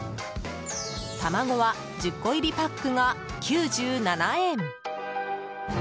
卵は１０個入りパックが９７円。